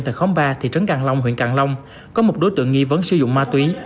tại khóm ba thị trấn càng long huyện càng long có một đối tượng nghi vấn sử dụng ma túy